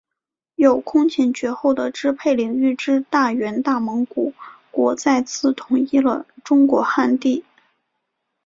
有空前绝后的支配领域之大元大蒙古国再次统一了中国汉地。